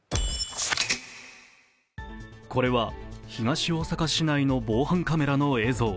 これは東大阪市内の防犯カメラの映像。